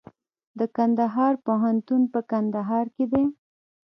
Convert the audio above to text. د کندهار پوهنتون په کندهار کې دی